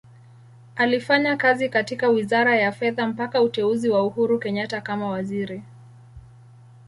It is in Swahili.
Alifanya kazi katika Wizara ya Fedha mpaka uteuzi wa Uhuru Kenyatta kama Waziri.